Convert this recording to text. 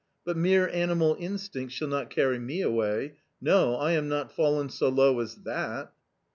But mere animal instinct shall not carry me away — no, I am not fallen so low as that!"